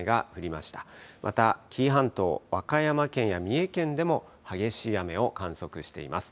また紀伊半島、和歌山県や三重県でも激しい雨を観測しています。